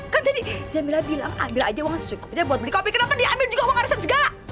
kan tadi jamila bilang ambil aja uang sesukupnya buat beli kopi kenapa dia ambil juga uang arisan segala